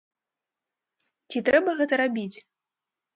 Ці трэба гэта рабіць?